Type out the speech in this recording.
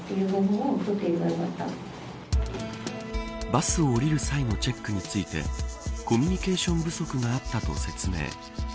バスを降りる際のチェックについてコミュニケーション不足があったと説明。